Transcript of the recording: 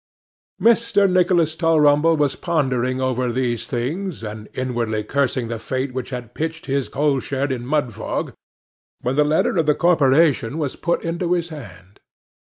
Mr. Nicholas Tulrumble was pondering over these things, and inwardly cursing the fate which had pitched his coal shed in Mudfog, when the letter of the corporation was put into his hand.